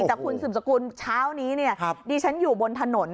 แต่คุณสุดสกุลช้าวนี้ดิฉันอยู่บนถนน